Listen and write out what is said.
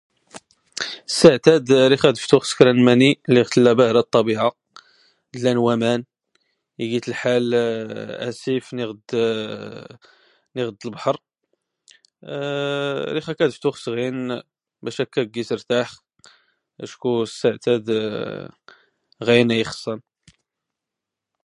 Ssaɛt ad riɣ ad ftuɣ s kra n mani lliɣ tlla bahra ṭṭabiɛa, llan waman ig iyt lḥal asif nɣ d lbḥṛ. Riɣ ad ka ftuɣ s ɣinn bac ad ka gis rtaḥɣ acku ssaɛt ad, ɣayann ad iyi ixssan.